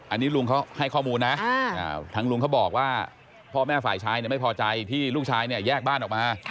อันนี้ลุงเขาให้ข้อมูลนะทางลุงเขาบอกว่าพ่อแม่ฝ่ายชายไม่พอใจที่ลูกชายเนี่ยแยกบ้านออกมา